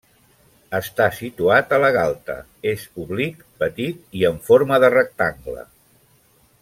Està situat a la galta; és oblic, petit i en forma de rectangle.